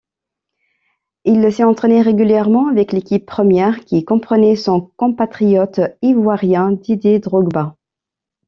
Il s'est entraîné régulièrement avec l'équipe première, qui comprenait son compatriote ivoirien Didier Drogba.